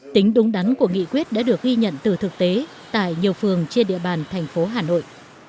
tính đúng đắn của nghị quyết đã được ghi nhận từ thực tế tại nhiều phường trên địa bàn thành phố hà nội